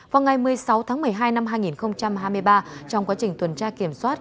vào ngày một mươi sáu tháng một mươi hai năm hai nghìn hai mươi ba trong quá trình tuần tra kiểm soát